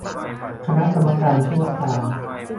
คณะกรรมการชั่วคราว